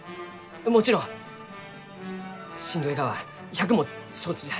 もちろんしんどいがは百も承知じゃ。